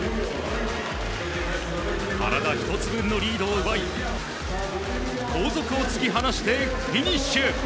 体１つ分のリードを奪い後続を突き放してフィニッシュ。